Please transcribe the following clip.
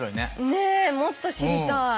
ねえもっと知りたい。